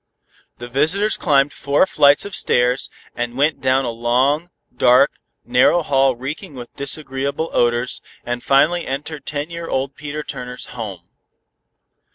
The visitors climbed four flights of stairs, and went down a long, dark, narrow hall reeking with disagreeable odors, and finally entered ten year old Peter Turner's "home."